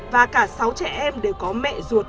và cả sáu trẻ em đều có mẹ ruột